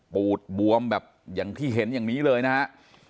ปูดบวมแบบอย่างที่เห็นอย่างนี้เลยนะฮะ